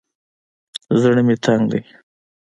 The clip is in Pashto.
زړه مې تنګ دى.